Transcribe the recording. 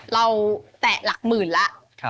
แตะหลักหมื่นแล้ว